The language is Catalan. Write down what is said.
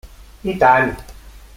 I tant!